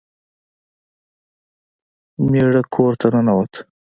میړه کور ته ننوت.